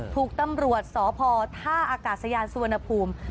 ถูกตำรวจสพท่าอากาศยานสุวรรณภูมิ